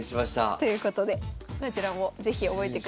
ということでこちらも是非覚えてください。